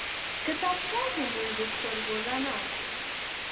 کتابچه زموږ د سترګو رڼا ده